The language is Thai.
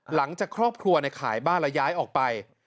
หลังจากครอบครัวคลายบ้านและย้ายไป